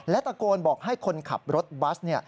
ตะโกนบอกให้คนขับรถบัส